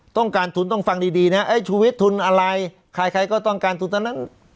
ต้องการทุนต้องฟังดีนะฮะชุวิตทุนอะไรใครคลก็ต้องการทุน